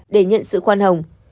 để nhận sự khoan hồng